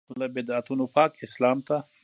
له بدعتونو پاک اسلام ته.